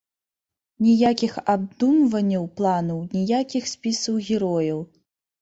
Ніякіх абдумванняў планаў, ніякіх спісаў герояў.